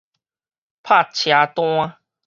拍車單